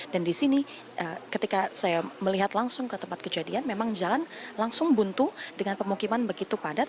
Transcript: dan di sini ketika saya melihat langsung ke tempat kejadian memang jalan langsung buntu dengan pemukiman begitu padat